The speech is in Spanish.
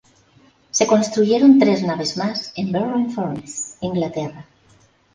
Se construyeron tres naves más en Barrow-in-Furness, Inglaterra.